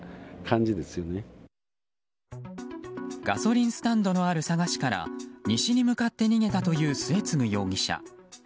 ガソリンスタンドのある佐賀市から西に向かって逃げたという末次容疑者。